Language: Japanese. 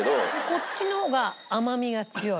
こっちの方が甘みが強い。